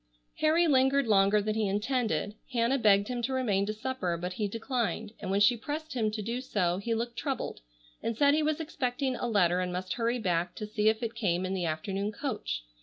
Harry lingered longer than he intended. Hannah begged him to remain to supper, but he declined, and when she pressed him to do so he looked troubled and said he was expecting a letter and must hurry back to see if it came in the afternoon coach.